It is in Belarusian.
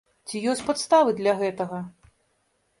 Ці ёсць падставы для гэтага?